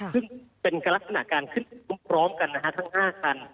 ซึ่งเป็นลักษณะการขึ้นพร้อมกันนะฮะทั้ง๕คัน